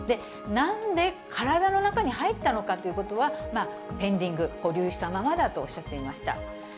なんで体の中に入ったのかということは、ペンディング、保留したままだとおっしゃっていました。